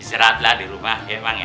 diseratlah di rumah ya bang ya